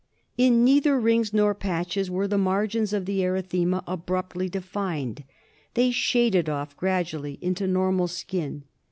In neither rings TRYPANOSOMIASIS. Ill nor patches were the margins of the erythema abruptly defined; they shaded off gradually into normal skin.